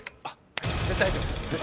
絶対入ってます。